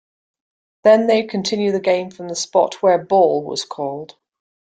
Then they continue the game from the spot where "ball" was called.